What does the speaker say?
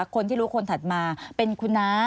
คนที่รู้คนถัดมาเป็นคุณน้า